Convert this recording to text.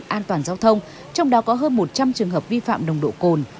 an toàn giao thông trong đó có hơn một trăm linh trường hợp vi phạm nồng độ cồn